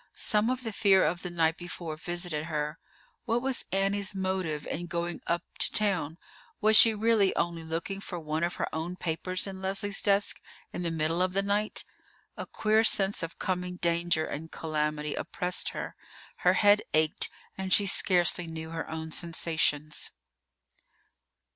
Some of the fear of the night before visited her. What was Annie's motive in going up to town? Was she really only looking for one of her own papers in Leslie's desk in the middle of the night? A queer sense of coming danger and calamity oppressed her. Her head ached, and she scarcely knew her own sensations.